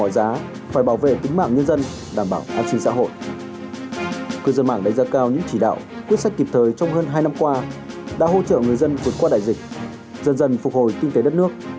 đã hỗ trợ người dân vượt qua đại dịch dần dần phục hồi kinh tế đất nước